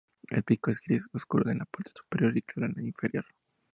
El pico es gris, oscuro en la parte superior y claro en la inferior.